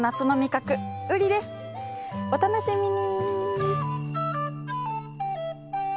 お楽しみに。